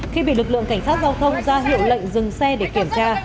khi bị lực lượng cảnh sát giao thông ra hiệu lệnh dừng xe để kiểm tra